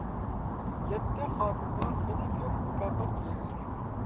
يەتتە خادىمغا خېلى كۆپ مۇكاپات بېرىلدى.